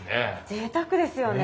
ぜいたくですよね。